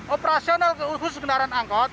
operasional keusus kendaraan angkut